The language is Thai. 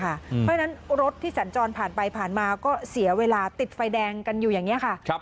เพราะฉะนั้นรถที่สัญจรผ่านไปผ่านมาก็เสียเวลาติดไฟแดงกันอยู่อย่างนี้ค่ะ